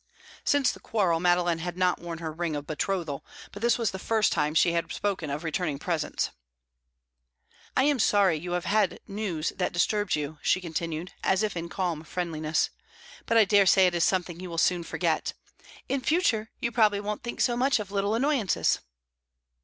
Since the quarrel, Madeline had not worn her ring of betrothal, but this was the first time she had spoken of returning presents. "I am sorry you have had news that disturbed you," she continued, as if in calm friendliness. "But I dare say it is something you will soon forget. In future you probably won't think so much of little annoyances."